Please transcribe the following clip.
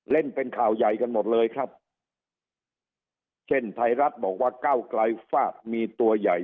เล่นเป็นข่าวใหญ่กันหมดเลยครับเช่นไทยรัฐบอกว่าเก้าไกลฟาดมีตัวใหญ่